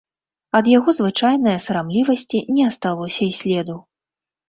Ад яго звычайнае сарамлівасці не асталося і следу.